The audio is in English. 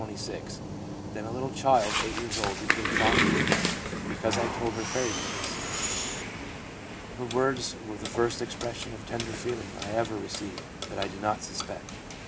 Then a little child 8 years old became fond of me because I told her fairy tales. Her words were the first expression of tender feeling I ever received that I did not suspect.